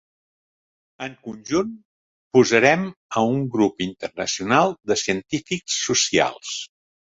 En conjunt, posaren a un grup internacional de científics socials.